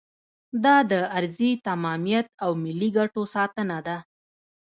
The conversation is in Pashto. دا د ارضي تمامیت او ملي ګټو ساتنه ده.